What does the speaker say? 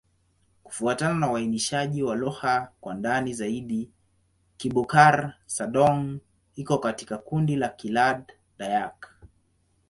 Kufuatana na uainishaji wa lugha kwa ndani zaidi, Kibukar-Sadong iko katika kundi la Kiland-Dayak.